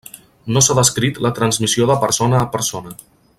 No s'ha descrit la transmissió de persona a persona.